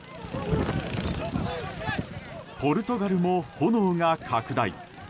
ポルトガルも炎が拡大。